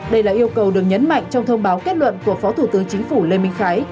đây là yêu cầu được nhấn mạnh trong thông báo kết luận của phó thủ tướng chính phủ lê minh khái